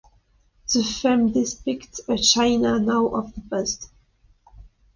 This film depicts a China now of the past.